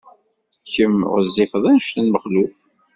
Kemm ɣezzifeḍ anect n Mexluf.